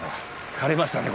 疲れましたね。